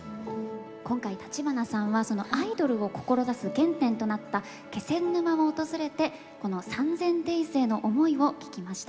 今回橘さんはアイドルを志す原点となった気仙沼を訪れてこの「３０００ｄａｙｓ」への思いを聞きました。